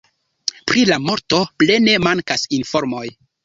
Pri la morto plene mankas informoj.